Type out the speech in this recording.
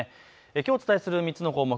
きょうお伝えする３つの項目